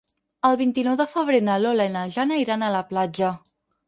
El vint-i-nou de febrer na Lola i na Jana iran a la platja.